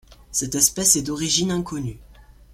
Cette espèce est d'origine inconnue.